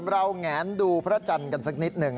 แงนดูพระจันทร์กันสักนิดหนึ่ง